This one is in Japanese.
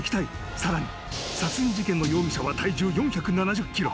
更に、殺人事件の容疑者は体重４７０ｋｇ。